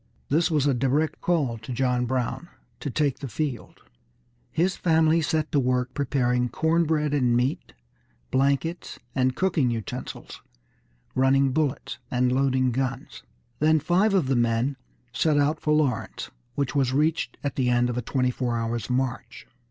This was a direct call to John Brown to take the field. His family set to work preparing corn bread and meat, blankets and cooking utensils, running bullets, and loading guns. Then five of the men set out for Lawrence, which was reached at the end of a twenty four hours' march.